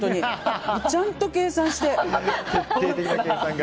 ちゃんと計算して。